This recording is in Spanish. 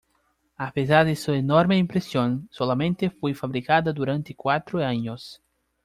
A pesar de su enorme impresión, solamente fue fabricada durante cuatro años.